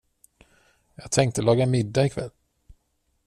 Jag tänkte laga middag i kväll.